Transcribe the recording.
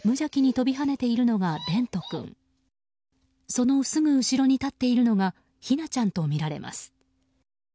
そのすぐ後ろに立っているのが姫奈ちゃんとみられます。